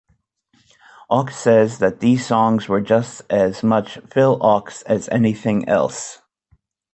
Ochs says that these songs were just as much Phil Ochs as anything else.